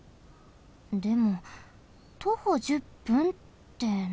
でも徒歩１０分ってなんだ？